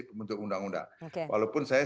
pembentuk undang undang walaupun saya